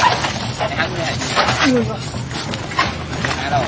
อะเนี่ยอีกป่ะเจ้าห้อง